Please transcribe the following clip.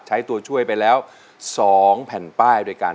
ใช้ตัวช่วยไปแล้ว๒แผ่นป้ายด้วยกัน